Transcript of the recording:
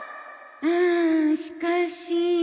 うんしかし。